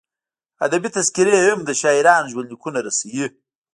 ادبي تذکرې هم د شاعرانو ژوندلیکونه رسوي.